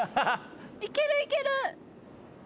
いけるいける！